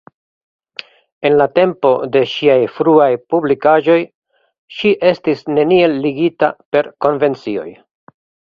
En la tempo de ŝiaj fruaj publikaĵoj ŝi estis neniel ligita per konvencioj.